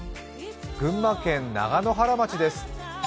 群馬県長野原町です。